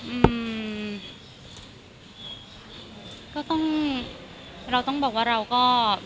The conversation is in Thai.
อืมก็ต้องเราต้องบอกว่าเราก็